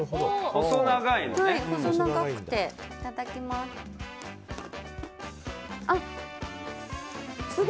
いただきます。